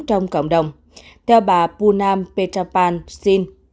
trong cộng đồng theo bà purnam petrapansin